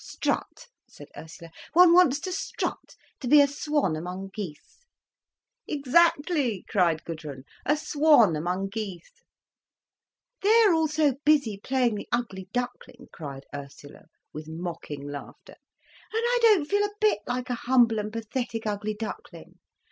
"Strut," said Ursula. "One wants to strut, to be a swan among geese." "Exactly," cried Gudrun, "a swan among geese." "They are all so busy playing the ugly duckling," cried Ursula, with mocking laughter. "And I don't feel a bit like a humble and pathetic ugly duckling.